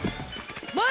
前！